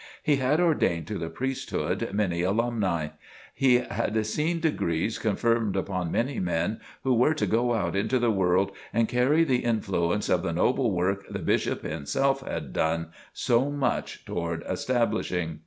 He had ordained to the priesthood many alumni. He had seen degrees conferred upon many men who were to go out into the world and carry the influence of the noble work the Bishop himself had done so much toward establishing.